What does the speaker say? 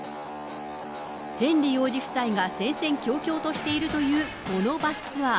ヘンリー王子夫妻が戦々恐々としているというこのバスツアー。